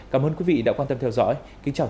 cảm ơn quý vị đã quan tâm theo dõi